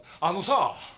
あのさ！